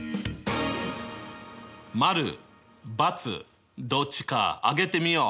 ○×どっちか上げてみよう。